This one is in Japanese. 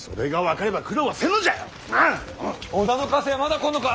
織田の加勢はまだ来んのか！